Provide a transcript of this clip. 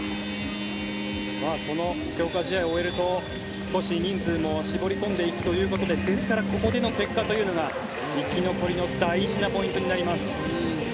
この強化試合を終えると少し人数も絞り込んでいくということでですからここでの結果というのが生き残りの大事なポイントになります。